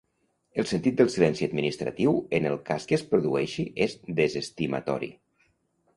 El sentit del silenci administratiu, en el cas que es produeixi, és desestimatori.